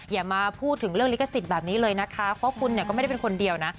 อย่ามาพูดถึงเรื่องลิขสิทธิ์แบบนี้เลยนะคะเพราะคุณเนี่ยก็ไม่ได้เป็นคนเดียวนะ